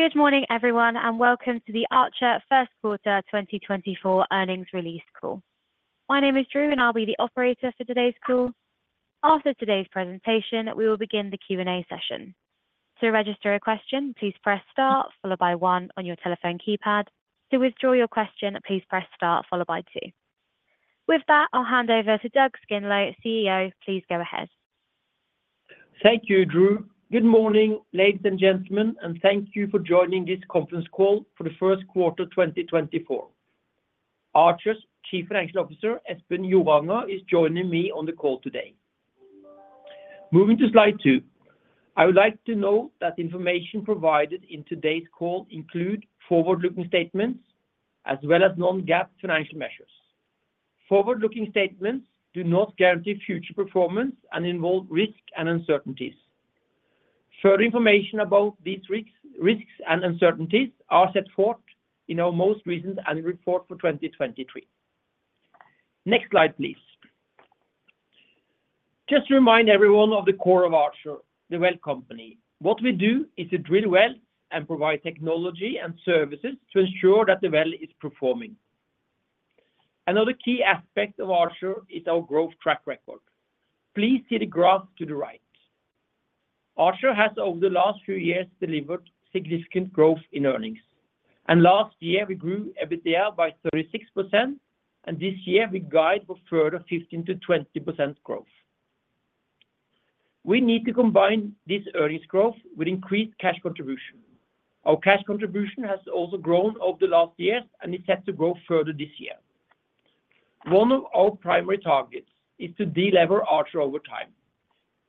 Good morning, everyone, and welcome to the Archer 1st Quarter 2024 earnings release call. My name is Drew, and I'll be the operator for today's call. After today's presentation, we will begin the Q&A session. To register a question, please press star, followed by one on your telephone keypad. To withdraw your question, please press star, followed by two. With that, I'll hand over to Dag Skindlo, CEO. Please go ahead. Thank you, Drew. Good morning, ladies and gentlemen, and thank you for joining this conference call for the first quarter 2024. Archer's Chief Financial Officer, Espen Joranger, is joining me on the call today. Moving to slide two, I would like to note that information provided in today's call includes forward-looking statements as well as non-GAAP financial measures. Forward-looking statements do not guarantee future performance and involve risk and uncertainties. Further information about these risks and uncertainties is set forth in our most recent annual report for 2023. Next slide, please. Just to remind everyone of the core of Archer, the well company. What we do is to drill wells and provide technology and services to ensure that the well is performing. Another key aspect of Archer is our growth track record. Please see the graph to the right. Archer has, over the last few years, delivered significant growth in earnings, and last year we grew EBITDA by 36%, and this year we guide for further 15%-20% growth. We need to combine this earnings growth with increased cash contribution. Our cash contribution has also grown over the last years, and it's set to grow further this year. One of our primary targets is to delever Archer over time.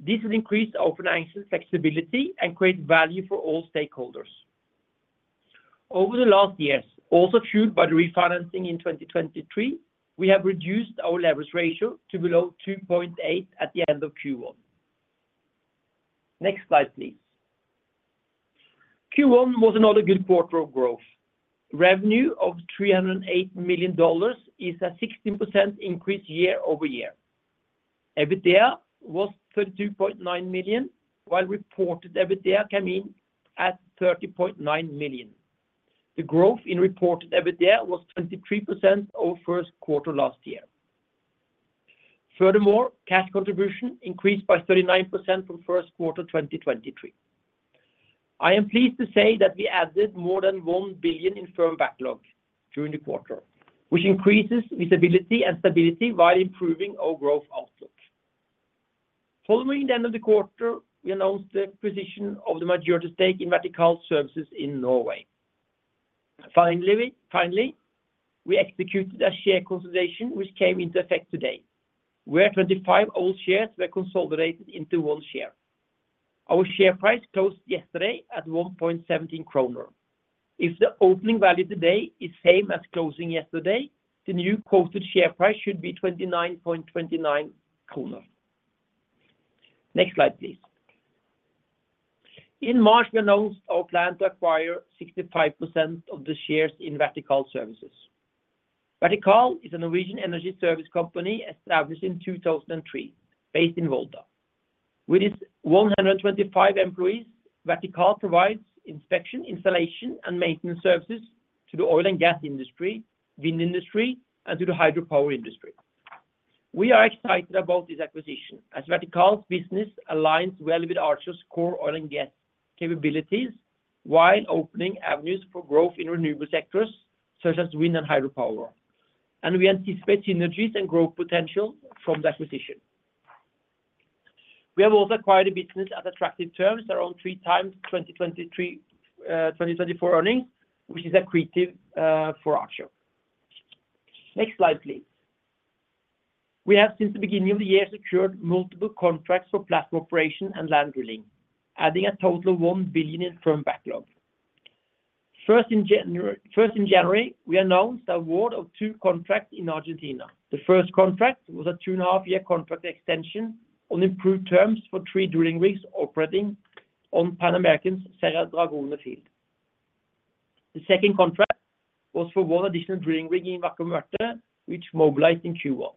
This will increase our financial flexibility and create value for all stakeholders. Over the last years, also fueled by the refinancing in 2023, we have reduced our leverage ratio to below 2.8 at the end of Q1. Next slide, please. Q1 was another good quarter of growth. Revenue of $308 million is a 16% increase year-over-year. EBITDA was $32.9 million, while reported EBITDA came in at $30.9 million. The growth in reported EBITDA was 23% over first quarter last year. Furthermore, cash contribution increased by 39% from first quarter 2023. I am pleased to say that we added more than $1 billion in firm backlog during the quarter, which increases visibility and stability while improving our growth outlook. Following the end of the quarter, we announced the acquisition of the majority stake in Vertikal Services in Norway. Finally, we executed a share consolidation, which came into effect today, where 25 old shares were consolidated into one share. Our share price closed yesterday at 1.17 kroner. If the opening value today is the same as closing yesterday, the new quoted share price should be 29.29 kroner. Next slide, please. In March, we announced our plan to acquire 65% of the shares in Vertikal Services. Vertikal Services is a Norwegian energy service company established in 2003 based in Volda. With its 125 employees, Vertikal provides inspection, installation, and maintenance services to the oil and gas industry, wind industry, and to the hydropower industry. We are excited about this acquisition as Vertikal's business aligns well with Archer's core oil and gas capabilities while opening avenues for growth in renewable sectors such as wind and hydropower, and we anticipate synergies and growth potential from the acquisition. We have also acquired a business at attractive terms, around 3x 2024 earnings, which is accretive for Archer. Next slide, please. We have, since the beginning of the year, secured multiple contracts for platform operation and land drilling, adding a total of $1 billion in firm backlog. First in January, we announced award of two contracts in Argentina. The first contract was a 2.5-year contract extension on improved terms for 3 drilling rigs operating on Pan American's Cerro Dragón field. The second contract was for one additional drilling rig in Vaca Muerta, which mobilized in Q1.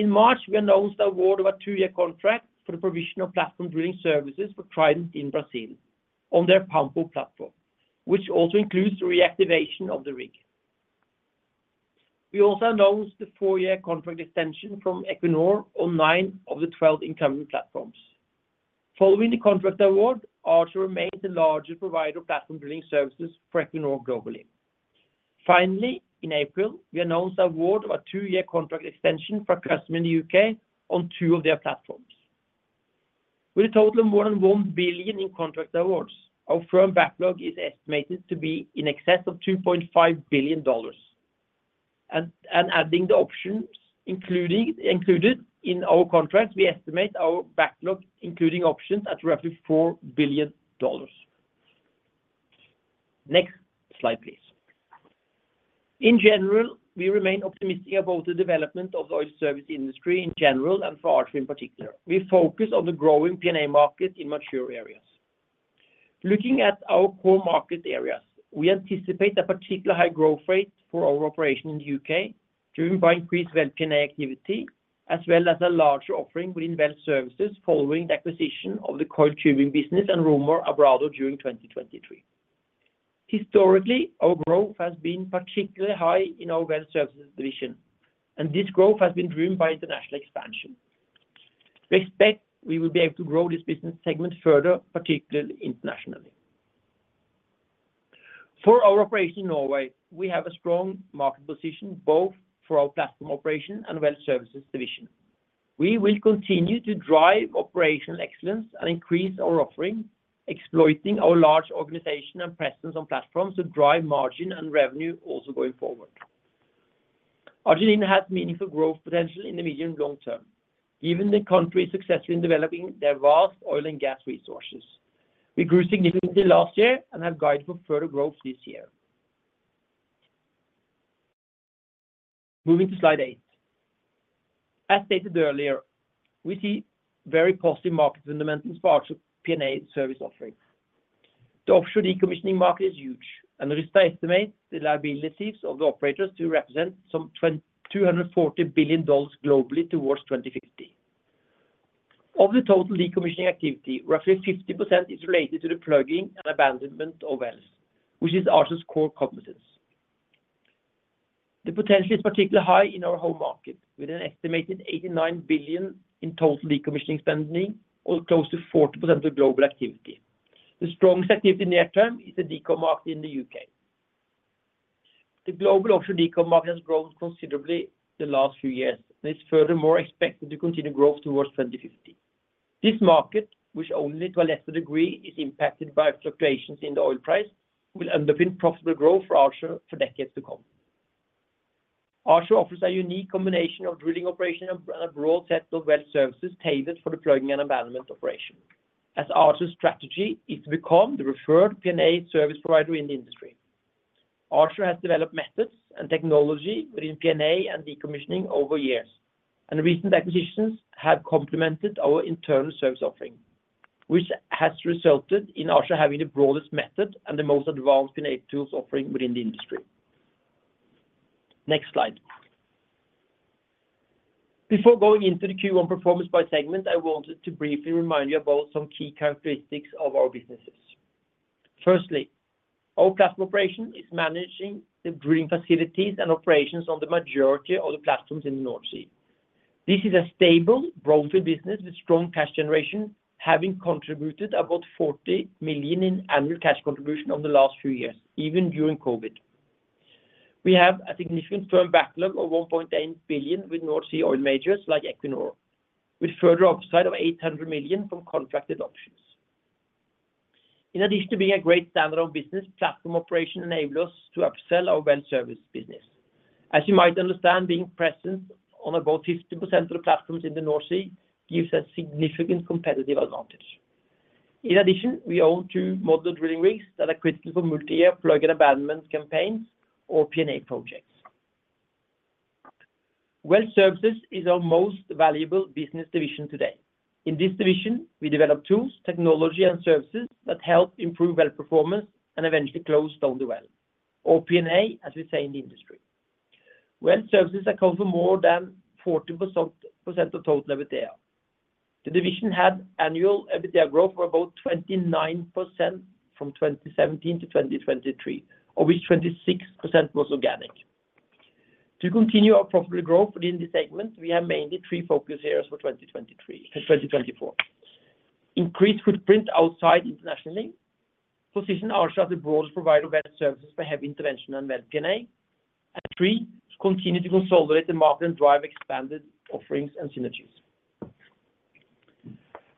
In March, we announced award of a two-year contract for the provision of platform drilling services for Trident in Brazil on their Pampo platform, which also includes the reactivation of the rig. We also announced the four-year contract extension from Equinor on nine of the 12 incumbent platforms. Following the contract award, Archer remains the largest provider of platform drilling services for Equinor globally. Finally, in April, we announced award of a two-year contract extension for a customer in the UK on two of their platforms. With a total of more than $1 billion in contract awards, our firm backlog is estimated to be in excess of $2.5 billion. Adding the options included in our contract, we estimate our backlog including options at roughly $4 billion. Next slide, please. In general, we remain optimistic about the development of the oil service industry in general and for Archer in particular. We focus on the growing P&A market in mature areas. Looking at our core market areas, we anticipate a particular high growth rate for our operation in the UK driven by increased well P&A activity as well as a larger offering within well services following the acquisition of the coil tubing business and Romar-Abrado during 2023. Historically, our growth has been particularly high in our well services division, and this growth has been driven by international expansion. We expect we will be able to grow this business segment further, particularly internationally. For our operation in Norway, we have a strong market position both for our platform operation and well services division. We will continue to drive operational excellence and increase our offering, exploiting our large organization and presence on platforms to drive margin and revenue also going forward. Argentina has meaningful growth potential in the medium and long term, given the country is successfully developing their vast oil and gas resources. We grew significantly last year and have guided for further growth this year. Moving to slide 8. As stated earlier, we see very positive market fundamentals for Archer P&A service offering. The offshore decommissioning market is huge, and Rystad estimates the liabilities of the operators to represent some $240 billion globally towards 2050. Of the total decommissioning activity, roughly 50% is related to the plugging and abandonment of wells, which is Archer's core competence. The potential is particularly high in our home market with an estimated $89 billion in total decommissioning spending or close to 40% of global activity. The strongest activity in the near term is the decom market in the UK. The global offshore decom market has grown considerably the last few years and is furthermore expected to continue growth towards 2050. This market, which only to a lesser degree is impacted by fluctuations in the oil price, will underpin profitable growth for Archer for decades to come. Archer offers a unique combination of drilling operation and a broad set of well services tailored for the plugging and abandonment operation as Archer's strategy is to become the preferred P&A service provider in the industry. Archer has developed methods and technology within P&A and decommissioning over years, and recent acquisitions have complemented our internal service offering, which has resulted in Archer having the broadest method and the most advanced P&A tools offering within the industry. Next slide. Before going into the Q1 performance by segment, I wanted to briefly remind you about some key characteristics of our businesses. Firstly, our platform operation is managing the drilling facilities and operations on the majority of the platforms in the North Sea. This is a stable, growthy business with strong cash generation, having contributed about $40 million in annual cash contribution over the last few years, even during COVID. We have a significant firm backlog of $1.8 billion with North Sea oil majors like Equinor, with further upside of $800 million from contracted options. In addition to being a great standard of business, platform operation enables us to upsell our well service business. As you might understand, being present on about 50% of the platforms in the North Sea gives us significant competitive advantage. In addition, we own two modular drilling rigs that are critical for multi-year plug and abandonment campaigns or P&A projects. Well services is our most valuable business division today. In this division, we develop tools, technology, and services that help improve well performance and eventually close down the well, or P&A, as we say in the industry. Well services account for more than 40% of total EBITDA. The division had annual EBITDA growth for about 29% from 2017 to 2023, of which 26% was organic. To continue our profitable growth within this segment, we have mainly three focus areas for 2024: increased footprint outside internationally, position Archer as a broader provider of well services for heavy intervention and well P&A, and three, continue to consolidate the market and drive expanded offerings and synergies.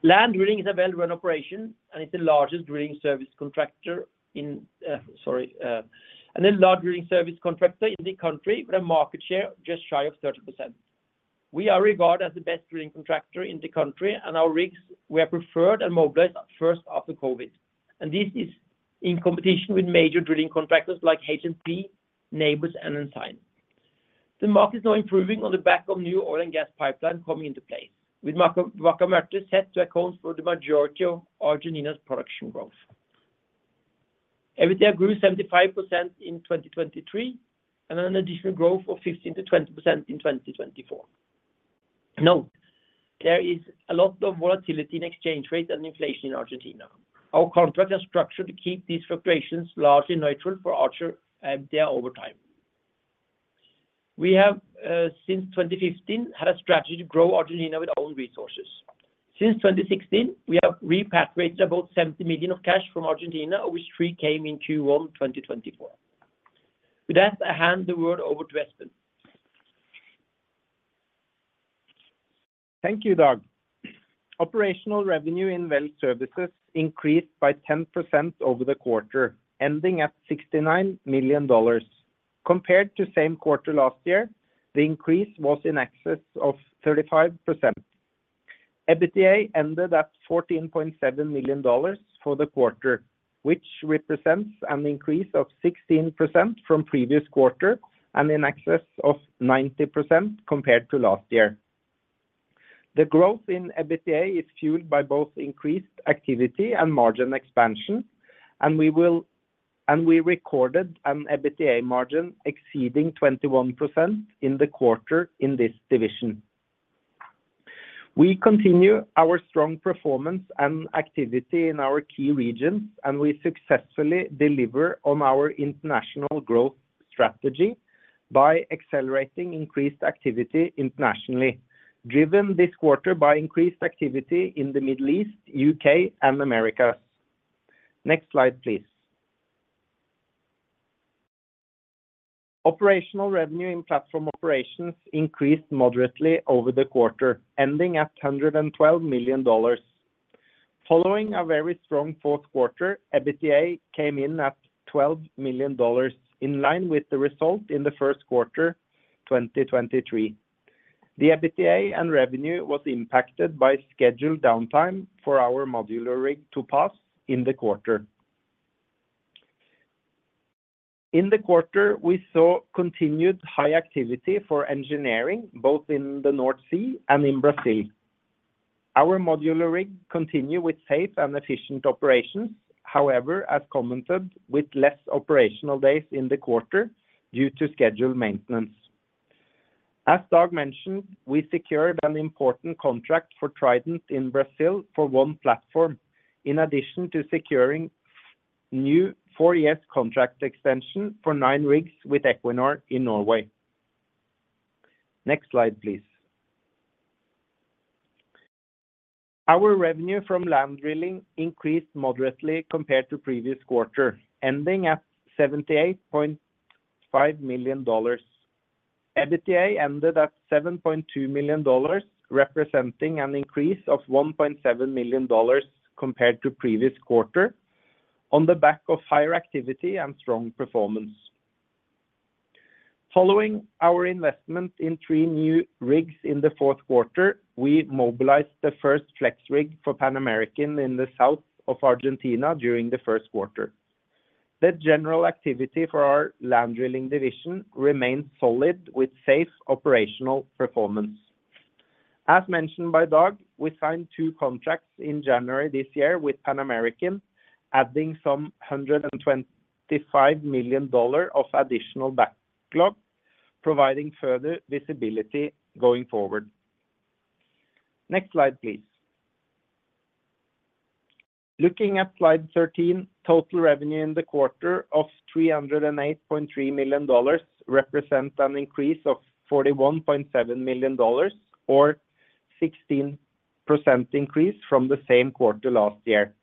Land drilling is a well-run operation, and it's the largest drilling service contractor in—sorry—and the largest drilling service contractor in the country with a market share just shy of 30%. We are regarded as the best drilling contractor in the country, and our rigs were preferred and mobilized first after COVID. And this is in competition with major drilling contractors like H&P, Nabors, and Ensign. The market is now improving on the back of new oil and gas pipelines coming into place, with Vaca Muerta set to account for the majority of Argentina's production growth. EBITDA grew 75% in 2023 and an additional growth of 15%-20% in 2024. Note, there is a lot of volatility in exchange rates and inflation in Argentina. Our contracts are structured to keep these fluctuations largely neutral for Archer EBITDA over time. We have, since 2015, had a strategy to grow Argentina with our own resources. Since 2016, we have repatriated about $70 million of cash from Argentina, of which $3 million came in Q1 2024. With that, I hand the word over to Espen. Thank you, Dag. Operational revenue in well services increased by 10% over the quarter, ending at $69 million. Compared to same quarter last year, the increase was in excess of 35%. EBITDA ended at $14.7 million for the quarter, which represents an increase of 16% from previous quarter and in excess of 90% compared to last year. The growth in EBITDA is fueled by both increased activity and margin expansion, and we recorded an EBITDA margin exceeding 21% in the quarter in this division. We continue our strong performance and activity in our key regions, and we successfully deliver on our international growth strategy by accelerating increased activity internationally, driven this quarter by increased activity in the Middle East, U.K., and America. Next slide, please. Operational revenue in platform operations increased moderately over the quarter, ending at $112 million. Following a very strong fourth quarter, EBITDA came in at $12 million, in line with the result in the first quarter 2023. The EBITDA and revenue were impacted by scheduled downtime for our modular rig Topaz in the quarter. In the quarter, we saw continued high activity for engineering both in the North Sea and in Brazil. Our modular rig continued with safe and efficient operations, however, as commented, with less operational days in the quarter due to scheduled maintenance. As Dag mentioned, we secured an important contract for Trident in Brazil for one platform, in addition to securing new four-year contract extension for nine rigs with Equinor in Norway. Next slide, please. Our revenue from land drilling increased moderately compared to previous quarter, ending at $78.5 million. EBITDA ended at $7.2 million, representing an increase of $1.7 million compared to previous quarter on the back of higher activity and strong performance. Following our investment in three new rigs in the fourth quarter, we mobilized the first Flex rig for Pan American in the south of Argentina during the first quarter. The general activity for our land drilling division remained solid with safe operational performance. As mentioned by Dag, we signed two contracts in January this year with Pan American, adding some $125 million of additional backlog, providing further visibility going forward. Next slide, please. Looking at slide 13, total revenue in the quarter of $308.3 million represents an increase of $41.7 million, or a 16% increase from the same quarter last year,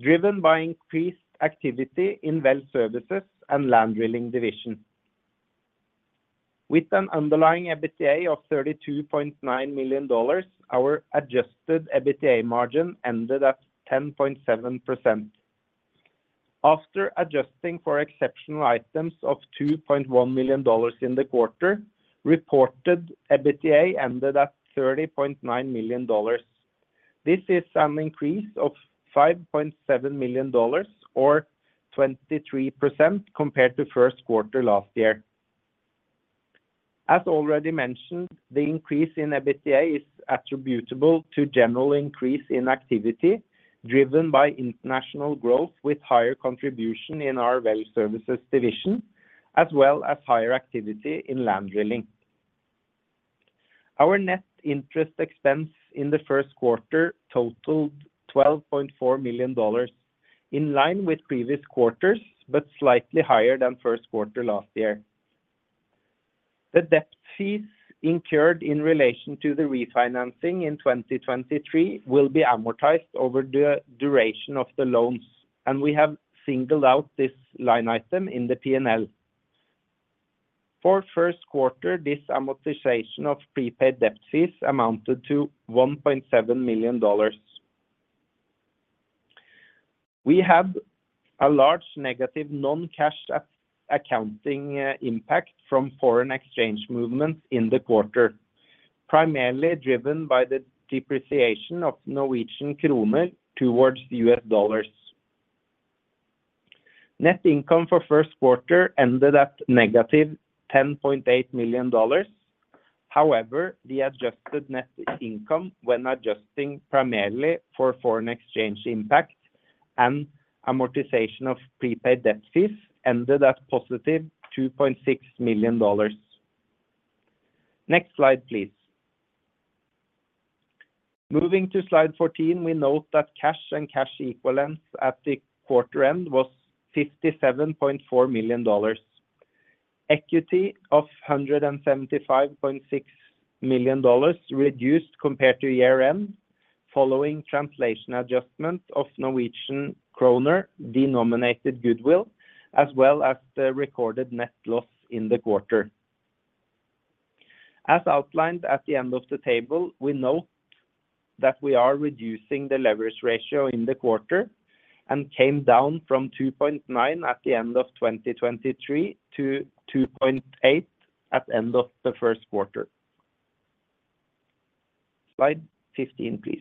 driven by increased activity in well services and land drilling division. With an underlying EBITDA of $32.9 million, our adjusted EBITDA margin ended at 10.7%. After adjusting for exceptional items of $2.1 million in the quarter, reported EBITDA ended at $30.9 million. This is an increase of $5.7 million, or 23% compared to first quarter last year. As already mentioned, the increase in EBITDA is attributable to a general increase in activity driven by international growth with higher contribution in our well services division, as well as higher activity in land drilling. Our net interest expense in the first quarter totaled $12.4 million, in line with previous quarters but slightly higher than first quarter last year. The debt fees incurred in relation to the refinancing in 2023 will be amortized over the duration of the loans, and we have singled out this line item in the P&L. For first quarter, this amortization of prepaid debt fees amounted to $1.7 million. We have a large negative non-cash accounting impact from foreign exchange movements in the quarter, primarily driven by the depreciation of Norwegian kroner towards US dollars. Net income for first quarter ended at -$10.8 million. However, the adjusted net income, when adjusting primarily for foreign exchange impact and amortization of prepaid debt fees, ended at +$2.6 million. Next slide, please. Moving to slide 14, we note that cash and cash equivalents at the quarter end was $57.4 million. Equity of $175.6 million reduced compared to year-end following translation adjustment of Norwegian kroner, denominated goodwill, as well as the recorded net loss in the quarter. As outlined at the end of the table, we note that we are reducing the leverage ratio in the quarter and came down from 2.9 at the end of 2023 to 2.8 at the end of the first quarter. Slide 15, please.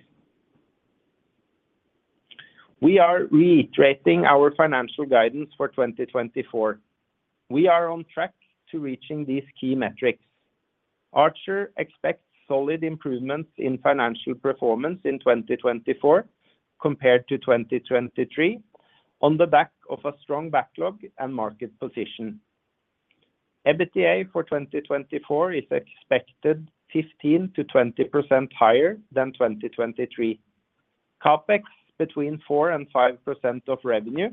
We are reiterating our financial guidance for 2024. We are on track to reaching these key metrics. Archer expects solid improvements in financial performance in 2024 compared to 2023 on the back of a strong backlog and market position. EBITDA for 2024 is expected 15%-20% higher than 2023, CapEx between 4%-5% of revenue,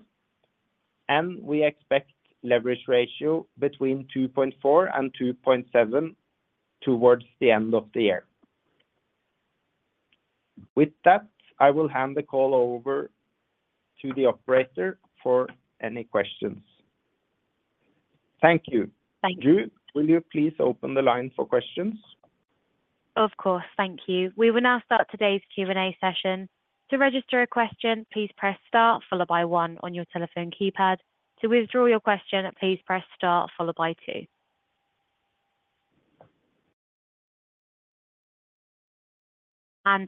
and we expect leverage ratio between 2.4-2.7 towards the end of the year. With that, I will hand the call over to the operator for any questions. Thank you. Thank you. Drew, will you please open the line for questions? Of course. Thank you. We will now start today's Q&A session. To register a question, please press star, followed by one on your telephone keypad. To withdraw your question, please press star, followed by two.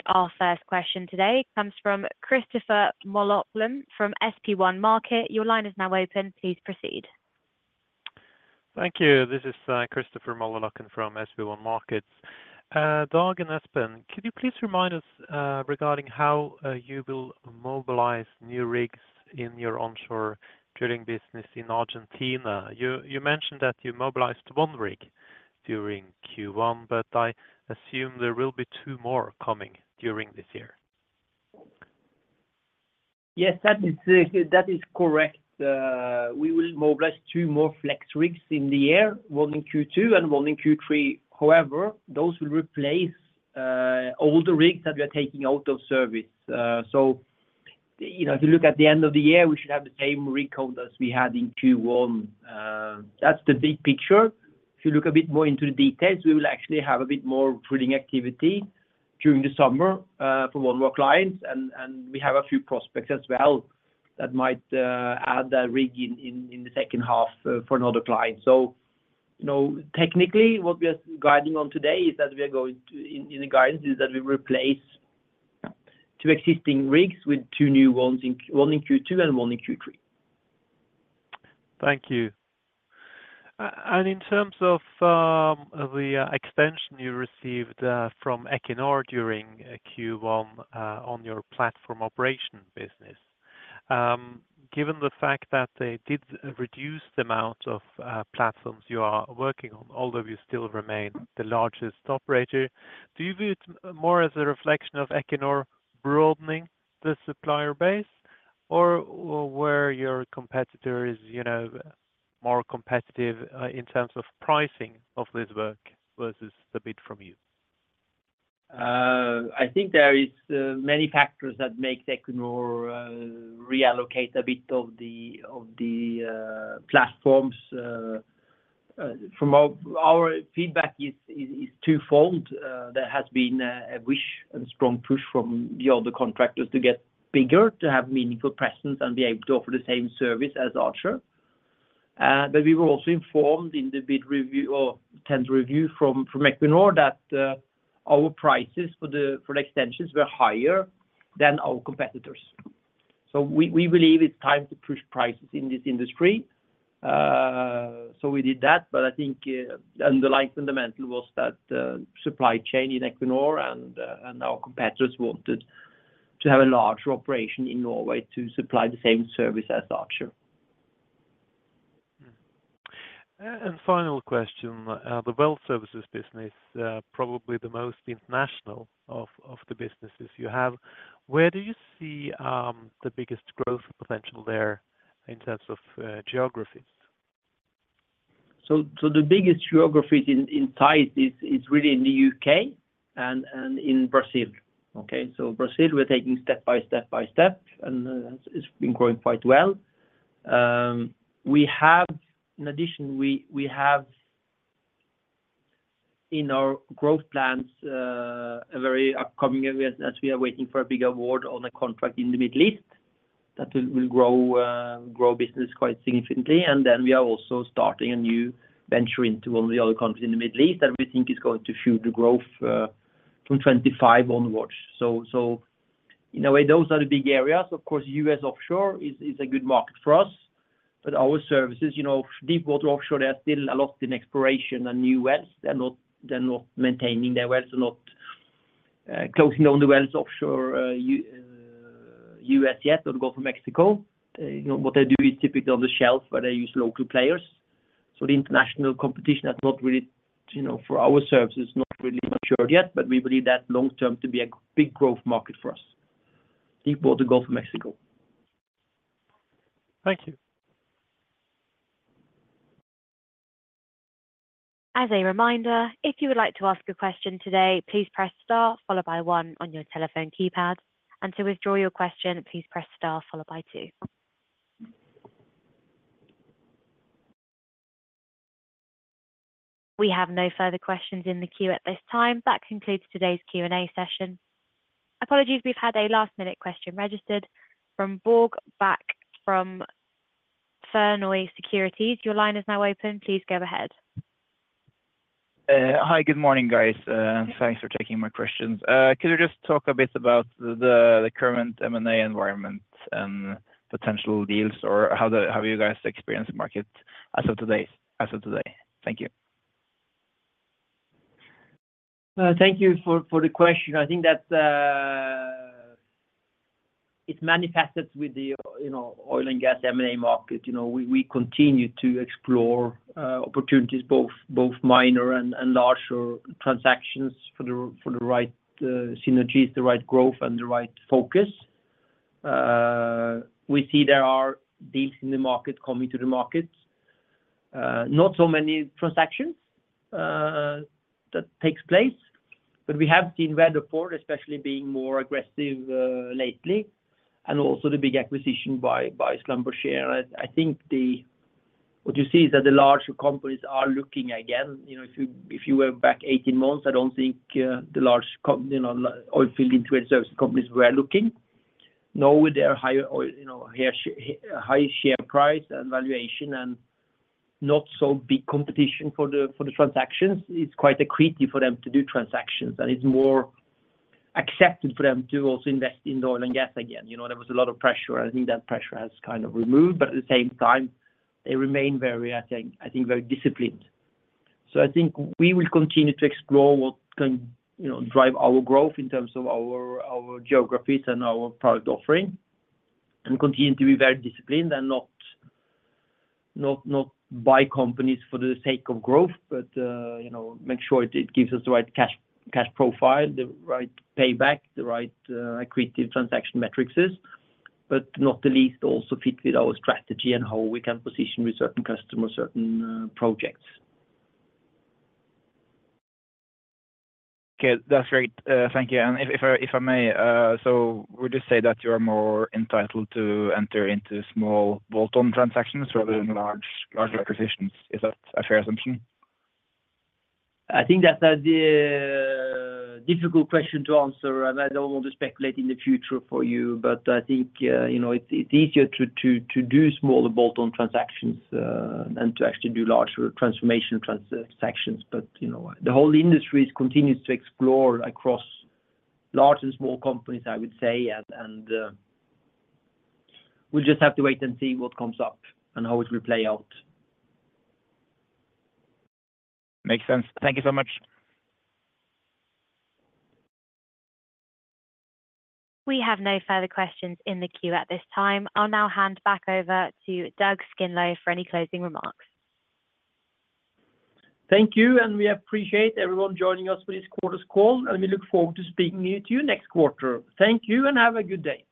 Our first question today comes from Christopher Møllerløkken from SB1 Markets. Your line is now open. Please proceed. Thank you. This is Christopher Møllerløkken from SB1 Markets. Dag and Espen, could you please remind us regarding how you will mobilize new rigs in your onshore drilling business in Argentina? You mentioned that you mobilized one rig during Q1, but I assume there will be two more coming during this year. Yes, that is correct. We will mobilize two more flex rigs in the year, one in Q2 and one in Q3. However, those will replace all the rigs that we are taking out of service. So if you look at the end of the year, we should have the same rig count as we had in Q1. That's the big picture. If you look a bit more into the details, we will actually have a bit more drilling activity during the summer for one more client. And we have a few prospects as well that might add a rig in the second half for another client. So technically, what we are guiding on today is that we are going to in the guidance is that we replace two existing rigs with two new ones, one in Q2 and one in Q3. Thank you. And in terms of the extension you received from Equinor during Q1 on your platform operation business, given the fact that they did reduce the amount of platforms you are working on, although you still remain the largest operator, do you view it more as a reflection of Equinor broadening the supplier base, or were your competitors more competitive in terms of pricing of this work versus the bid from you? I think there are many factors that make Equinor reallocate a bit of the platforms. Our feedback is twofold. There has been a wish and strong push from the other contractors to get bigger, to have meaningful presence, and be able to offer the same service as Archer. But we were also informed in the bid review or tender review from Equinor that our prices for the extensions were higher than our competitors. So we believe it's time to push prices in this industry. So we did that. But I think the underlying fundamental was that supply chain in Equinor and our competitors wanted to have a larger operation in Norway to supply the same service as Archer. Final question. The well services business, probably the most international of the businesses you have, where do you see the biggest growth potential there in terms of geographies? So the biggest geographies in size is really in the U.K. and in Brazil. Okay? So Brazil, we're taking step by step by step, and it's been growing quite well. In addition, we have in our growth plans a very upcoming area as we are waiting for a big award on a contract in the Middle East that will grow business quite significantly. And then we are also starting a new venture into one of the other countries in the Middle East that we think is going to fuel the growth from 2025 onwards. So in a way, those are the big areas. Of course, U.S. offshore is a good market for us. But our services, deep water offshore, they are still a lot in exploration and new wells. They're not maintaining their wells. They're not closing down the wells offshore U.S. yet or Gulf of Mexico. What they do is typically on the shelf, where they use local players. So the international competition has not really for our services, not really matured yet. But we believe that long-term to be a big growth market for us, deepwater Gulf of Mexico. Thank you. As a reminder, if you would like to ask a question today, please press star, followed by one on your telephone keypad. To withdraw your question, please press star, followed by two. We have no further questions in the queue at this time. That concludes today's Q&A session. Apologies, we've had a last-minute question registered from Børge Bakke from Fearnley Securities. Your line is now open. Please go ahead. Hi. Good morning, guys. Thanks for taking my questions. Could you just talk a bit about the current M&A environment and potential deals, or how have you guys experienced the market as of today? Thank you. Thank you for the question. I think it's manifested with the oil and gas M&A market. We continue to explore opportunities, both minor and larger transactions, for the right synergies, the right growth, and the right focus. We see there are deals in the market coming to the market. Not so many transactions that take place, but we have seen Weatherford, especially being more aggressive lately, and also the big acquisition by Schlumberger. I think what you see is that the larger companies are looking again. If you were back 18 months, I don't think the large oilfield integrated services companies were looking. Now, with their high share price and valuation and not so big competition for the transactions, it's quite a treat for them to do transactions. And it's more accepted for them to also invest in oil and gas again. There was a lot of pressure, and I think that pressure has kind of removed. But at the same time, they remain, I think, very disciplined. So I think we will continue to explore what can drive our growth in terms of our geographies and our product offering and continue to be very disciplined and not buy companies for the sake of growth, but make sure it gives us the right cash profile, the right payback, the right equity transaction metrics, but not the least, also fit with our strategy and how we can position with certain customers, certain projects. Okay. That's great. Thank you. And if I may, so would you say that you are more entitled to enter into small bolt-on transactions rather than large acquisitions? Is that a fair assumption? I think that's a difficult question to answer. I don't want to speculate in the future for you. But I think it's easier to do smaller bolt-on transactions than to actually do larger transformation transactions. But the whole industry continues to explore across large and small companies, I would say. We'll just have to wait and see what comes up and how it will play out. Makes sense. Thank you so much. We have no further questions in the queue at this time. I'll now hand back over to Dag Skindlo for any closing remarks. Thank you. We appreciate everyone joining us for this quarter's call. We look forward to speaking to you next quarter. Thank you and have a good day.